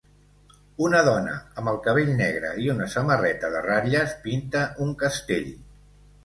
Una dona amb el cabell negre i una samarreta de ratlles pinta un castell.